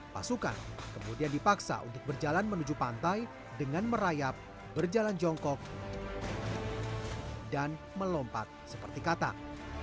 pasukan kemudian dipaksa untuk berjalan menuju pantai dengan merayap berjalan jongkok dan melompat seperti katak